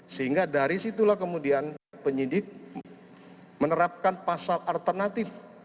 sehingga dari situlah kemudian penyidik menerapkan pasal alternatif